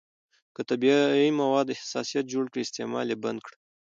که طبیعي مواد حساسیت جوړ کړي، استعمال یې بند کړئ.